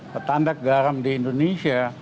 petandak garam di indonesia